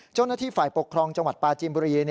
เจ้าหน้าที่ฝ่ายปกครองจังหวัดปลาจีนบุรี